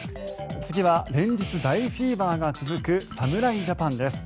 次は連日、大フィーバーが続く侍ジャパンです。